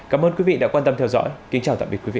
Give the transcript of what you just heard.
cảm ơn quý vị đã quan tâm theo dõi kính chào tạm biệt quý vị